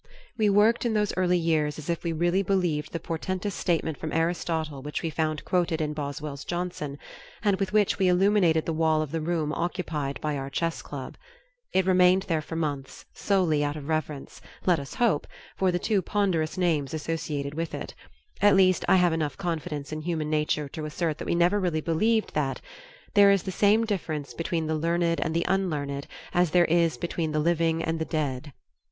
We worked in those early years as if we really believed the portentous statement from Aristotle which we found quoted in Boswell's Johnson and with which we illuminated the wall of the room occupied by our Chess Club; it remained there for months, solely out of reverence, let us hope, for the two ponderous names associated with it; at least I have enough confidence in human nature to assert that we never really believed that "There is the same difference between the learned and the unlearned as there is between the living and the dead."